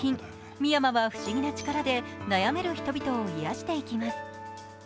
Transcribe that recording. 未山は不思議な力で悩める人々を癒やしていきます。